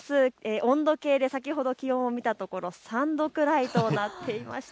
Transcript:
温度計で先ほど気温を見たところ３度くらいとなっていました。